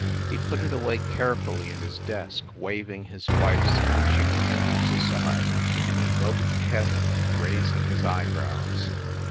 He put it away carefully in his desk, waving his wife s itching fingers aside, and invoked Heaven, raising his eyebrows.